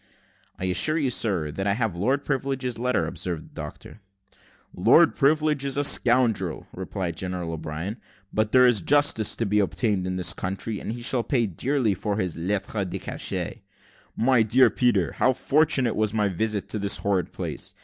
"I assure you, sir, that I have Lord Privilege's letter," observed the doctor. "Lord Privilege is a scoundrel," replied General O'Brien. "But there is justice to be obtained in this country, and he shall pay dearly for his lettre de cachet. My dear Peter, how fortunate was my visit to this horrid place!